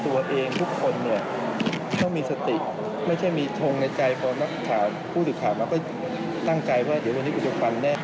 เวลานักข่าวพูดถึงข่าวมาก็ตั้งไกลว่าเดี๋ยววันนี้กูจะปันแน่